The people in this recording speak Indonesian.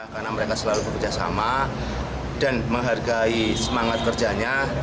karena mereka selalu bekerjasama dan menghargai semangat kerjanya